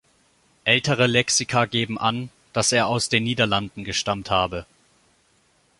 Ältere Lexika geben an, dass er aus den Niederlanden gestammt habe.